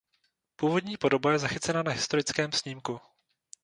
Původní podoba je zachycena na historickém snímku.